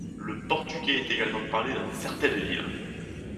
Le portugais est également parlé dans certaines villes.